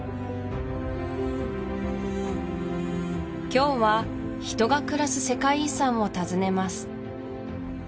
今日は人が暮らす世界遺産を訪ねます